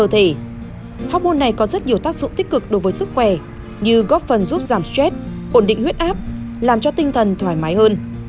học môn này có rất nhiều tác dụng tích cực đối với sức khỏe như góp phần giúp giảm stress ổn định huyết áp làm cho tinh thần thoải mái hơn